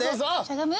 しゃがむ？